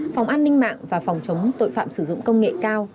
phòng an ninh mạng và phòng chống tội phạm sử dụng công nghệ cao